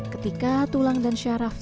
ketika tulang dan syarap